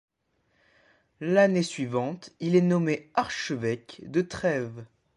L'année suivante il est nommé archevêque de Trèves.